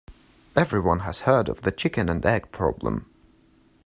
Everyone has heard of the chicken and egg problem.